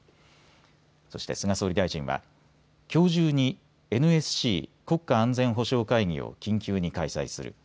そして菅総理大臣はきょう中にＮＳＣ・国家安全保障会議を緊急に開催する。